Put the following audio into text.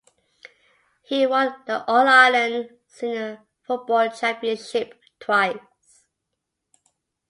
He won the All-Ireland Senior Football Championship twice.